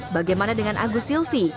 bagaimana dengan agus silvi